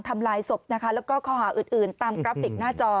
ทำลายศพและข้อหาอื่นตามกรัปติกหน้าจอ